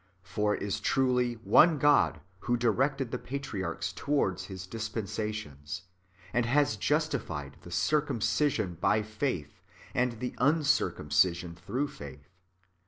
For it is truly " one God who " directed the patriarchs towards His dispensations, and "has justified the circumcision by faith, and the uncircumcision through faith."